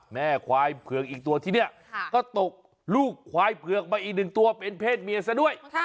แม่ควายเผือกอีกตัวที่นี่ก็ตกลูกควายเผือกมาอีกหนึ่งตัวเป็นเพศเมียซะด้วย